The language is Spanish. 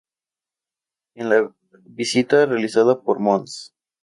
En la visita realizada por Mons.